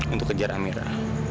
untuk kejar amira